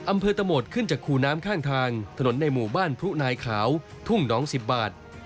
อำเภอตะโหมดขึ้นจากคูน้ำข้างทางถนนในหมู่บ้านพรุนายขาวทุ่งน้อง๑๐บาท